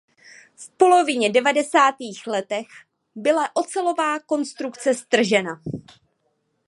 V polovině devadesátých letech byla ocelová konstrukce stržena.